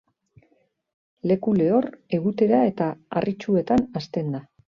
Leku lehor, egutera eta harritsuetan hazten da.